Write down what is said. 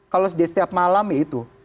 kalau setiap malam ya itu